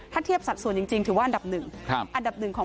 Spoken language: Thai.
ถ้าเทียบสัดส่วนจริงถือว่าอันดับหนึ่งอันดับหนึ่งของ